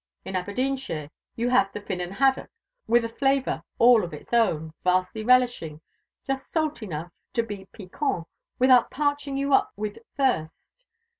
In Aberdeenshire you have the Finnan haddo' with a flavour all its own, vastly relishing just salt enough to be piquant, without parching you up with thirst.